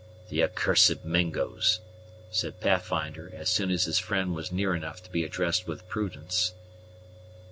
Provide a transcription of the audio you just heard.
"The accursed Mingos!" said Pathfinder, as soon as his friend was near enough to be addressed with prudence.